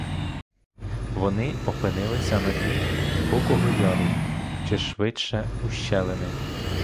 Вони опинилися на дні глибокого яру, чи швидше ущелини.